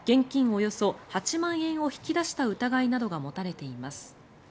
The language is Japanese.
およそ８万円を引き出した疑いなどが持たれています。